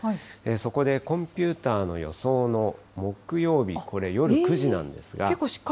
そこでコンピューターの予想の木曜日、これ夜９時なんですが。